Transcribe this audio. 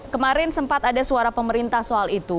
kemarin sempat ada suara pemerintah soal itu